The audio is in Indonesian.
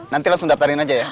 nanti langsung daftarin aja ya